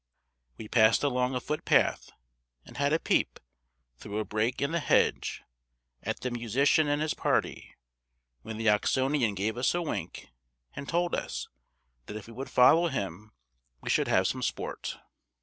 We passed along a footpath, and had a peep, through a break in the hedge, at the musician and his party, when the Oxonian gave us a wink, and told us that if we would follow him we should have some sport.